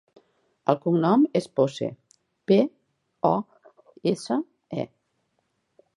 El cognom és Pose: pe, o, essa, e.